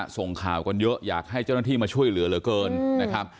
ส่งข่าวกันเยอะอยากให้เจ้าหน้าที่มาช่วยเหลือเหลือเกินนะครับ